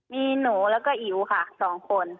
มีหนูแล้วก็อิ๋วค่ะ๒คน